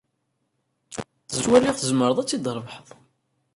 Ttwaliɣ tzemreḍ ad t-id-trebḥeḍ.